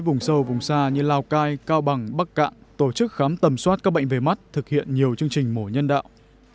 vùng sâu vùng xa như lào cai cao bằng bắc cạn tổ chức khám tầm soát các bệnh về mắt thực hiện nhiều chương trình mổ nhân đạo